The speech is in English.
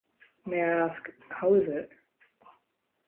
May I ask — How is it?